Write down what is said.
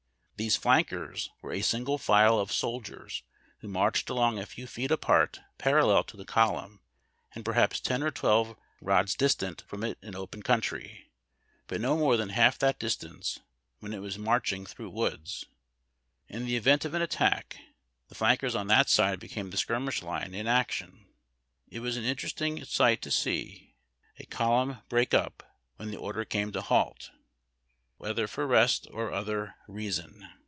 These flankers were a single file of soldiers, wJio marched along a few feet a[)art parallel to the column, and perhaps ten or twelve rods distant from it in open country, but not more than half that distance when it was marchino througli woods. In the event of an attack, the Hankers on that side became the skirmish line in action. It was an interesting sight to see a column break up when the order came to halt, whether for rest or other i eason.